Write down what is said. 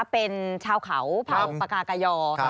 เป็นชาวเขาเผาปากากายอ